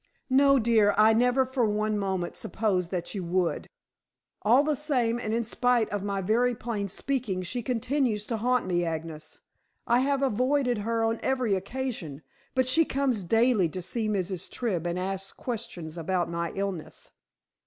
"No, dear. I never for one moment supposed that you would." "All the same, and in spite of my very plain speaking, she continues to haunt me, Agnes. I have avoided her on every occasion, but she comes daily to see Mrs. Tribb, and ask questions about my illness."